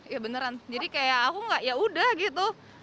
ya beneran jadi kayak aku nggak yaudah gitu